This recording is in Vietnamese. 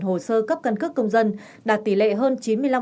hai mươi năm hồ sơ cấp căn cước công dân đạt tỷ lệ hơn chín mươi năm